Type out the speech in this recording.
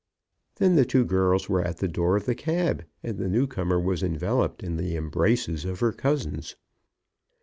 Then the two girls were at the door of the cab, and the newcomer was enveloped in the embraces of her cousins.